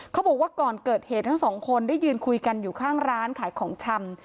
บอกว่าก่อนเกิดเหตุทั้งสองคนได้ยืนคุยกันอยู่ข้างร้านขายของชำ